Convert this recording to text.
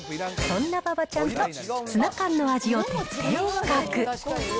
そんな馬場ちゃんと、ツナ缶の味を徹底比較。